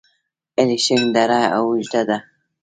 الیشنګ دره اوږده ده؟